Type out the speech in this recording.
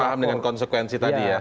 paham dengan konsekuensi tadi ya